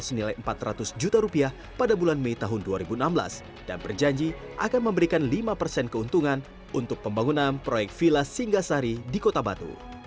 senilai empat ratus juta rupiah pada bulan mei tahun dua ribu enam belas dan berjanji akan memberikan lima persen keuntungan untuk pembangunan proyek villa singasari di kota batu